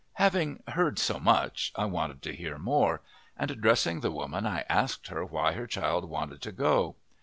Having heard so much I wanted to hear more, and addressing the woman I asked her why her child wanted to go.